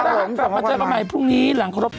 กลับมาเจอกันใหม่พรุ่งนี้หลังครบ